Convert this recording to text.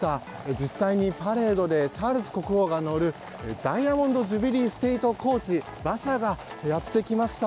実際にパレードでチャールズ国王が乗るダイヤモンド・ジュビリー・ステート・コーチ馬車がやってきました。